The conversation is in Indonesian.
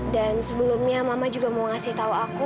dan sebelumnya mama juga mau ngasih tahu aku